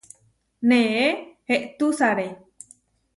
Neʼé eʼtusaré.